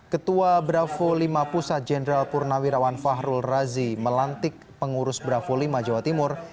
ketua bravo lima pusat jenderal purnawirawan fahrul razi melantik pengurus bravo lima jawa timur